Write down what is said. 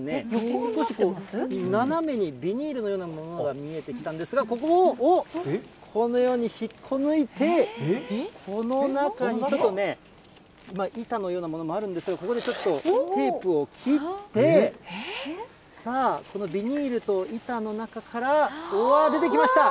少し斜めにビニールのようなものが見えてきたんですが、ここをこのように引っこ抜いて、この中にちょっとね、板のようなものもあるんですけど、ここでちょっと、テープを切って、さあ、このビニールと板の中から、うわっ、出てきました。